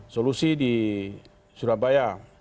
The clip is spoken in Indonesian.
solusi di surabaya